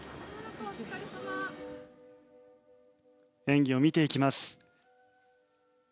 演技を見ていきます。